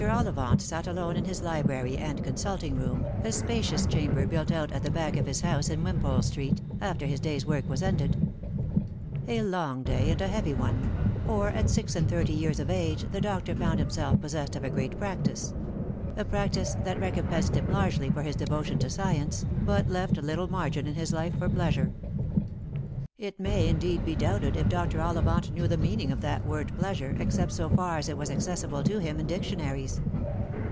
Ollivant sat alone in his library and consulting room, a Bpacious chamber built out at the back of his house in Wim pole street, after his day's work was ended — a long day and a heavy one ; for at six and thirty years of age the doctor found himself possessed of a great practice — a practice that recom pensed him largely for his devotion to science, but left little margin in his life for pleasure. It may indeed be doubted if Dr. Ollivant knew the meaning of that word " pleasure," except so far as it was accessible to him in dictionaries.